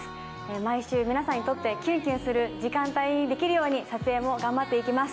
毎週皆さんにとってキュンキュンする時間帯にできるように撮影も頑張っていきます。